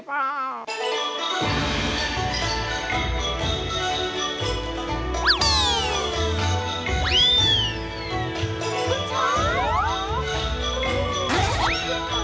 ผู้ชาย